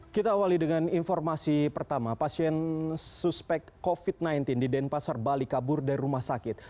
kita awali dengan informasi pertama pasien suspek covid sembilan belas di denpasar bali kabur dari rumah sakit